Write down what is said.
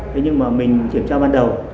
thế nhưng mà mình kiểm tra ban đầu